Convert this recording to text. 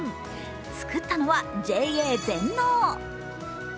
作ったのはＪＡ全農。